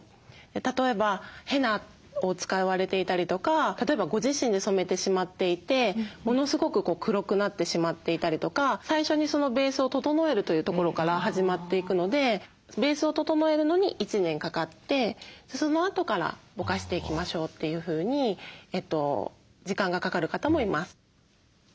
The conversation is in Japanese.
例えばヘナを使われていたりとか例えばご自身で染めてしまっていてものすごく黒くなってしまっていたりとか最初にベースを整えるというところから始まっていくのでベースを整えるのに１年かかってそのあとからぼかしていきましょうというふうに時間がかかる方もいます。